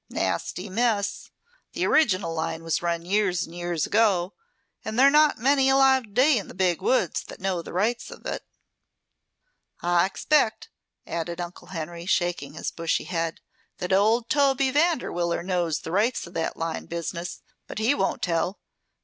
Nasty mess. The original line was run years and years ago, and they're not many alive today in the Big woods that know the rights of it. "I expect," added Uncle Henry, shaking his bushy head, "that old Toby Vanderwiller knows the rights of that line business; but he won't tell.